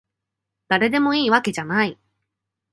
だれでもいいわけじゃない